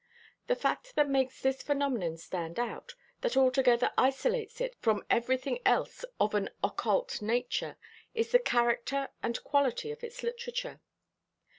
The fact that makes this phenomenon stand out, that altogether isolates it from everything else of an occult nature, is the character and quality of its literature.